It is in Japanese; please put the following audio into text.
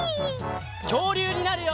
きょうりゅうになるよ！